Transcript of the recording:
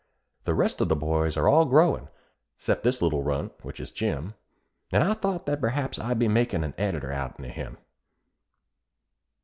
The rest of the boys are all growin', 'cept this little runt, which is Jim, And I thought that perhaps I'd be makin' an editor outen o' him.